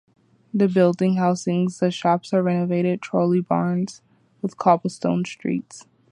The buildings housing the shops are renovated trolley barns with cobblestone streets.